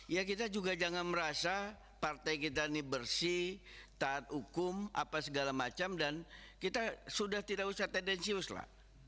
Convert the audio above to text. ya kita juga jangan merasa partai kita ini bersih taat hukum apa segala macam dan kita sudah tidak usah tendensius lah